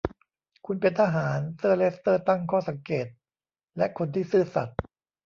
คุณเป็นทหาร เซอร์เลสเตอร์ตั้งข้อสังเกต ‘’และคนที่ซื่อสัตย์’’